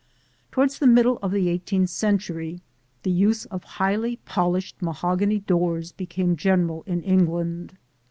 Towards the middle of the eighteenth century the use of highly polished mahogany doors became general in England.